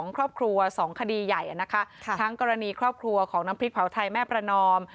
ครอบครัว๒คดีใหญ่นะคะทั้งกรณีครอบครัวของน้ำพริกเผาไทยแม่ประนอม